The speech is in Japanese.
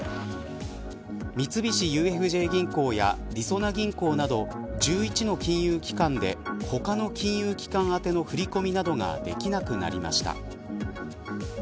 三菱ＵＦＪ銀行やりそな銀行など１１の金融機関で、他の金融機関宛ての振り込みなどができなくなりました。